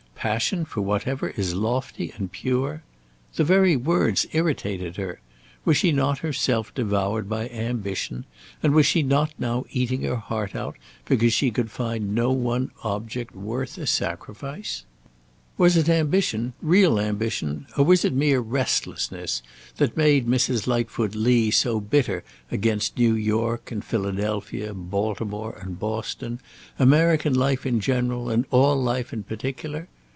Passion for whatever is lofty and pure? The very words irritated her. Was she not herself devoured by ambition, and was she not now eating her heart out because she could find no one object worth a sacrifice? Was it ambition real ambition or was it mere restlessness that made Mrs. Lightfoot Lee so bitter against New York and Philadelphia, Baltimore and Boston, American life in general and all life in particular?